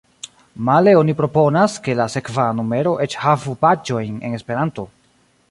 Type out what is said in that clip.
Male oni proponas, ke la sekva numero eĉ havu paĝojn en Esperanto.